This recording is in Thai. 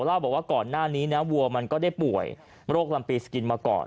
เล่าบอกว่าก่อนหน้านี้นะวัวมันก็ได้ป่วยโรคลำปีสกินมาก่อน